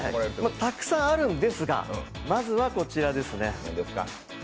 たくさんあるんですがまずはこちらですね。